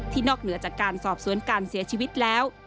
นอกเหนือจากการสอบสวนการเสียชีวิตแล้ว